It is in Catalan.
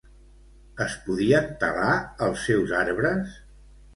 Es podien talar els seus arbres?